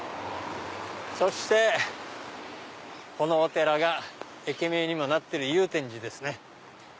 そしてこのお寺が駅名にもなってる祐天寺ですね。